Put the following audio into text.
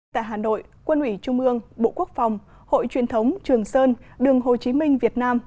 tại hà nội quân ủy trung ương bộ quốc phòng hội truyền thống trường sơn đường hồ chí minh việt nam